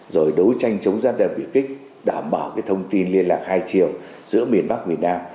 rồi đấu tranh chống gian đầy biểu kích đảm bảo cái thông tin liên lạc hai chiều giữa miền bắc việt nam